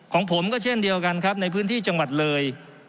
ของผมก็เช่นเดียวกันครับในพื้นที่จังหวัดเลย